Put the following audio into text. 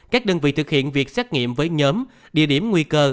các đơn vị thực hiện việc xét nghiệm với nhóm địa điểm nguy cơ